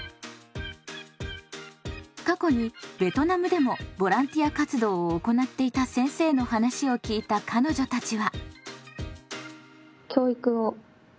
過去にベトナムでもボランティア活動を行っていた先生の話を聞いた彼女たちは。